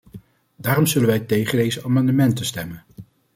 Daarom zullen wij tegen deze amendementen stemmen.